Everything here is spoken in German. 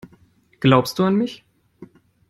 Glaubst du an mich?